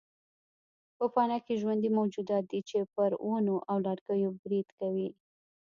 پوپنکي ژوندي موجودات دي چې پر ونو او لرګیو برید کوي.